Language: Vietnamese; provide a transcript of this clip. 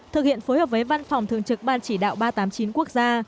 thực hiện phối hợp với văn phòng thường trực ban chỉ đạo ba trăm tám mươi chín quốc gia